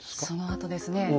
そのあとですね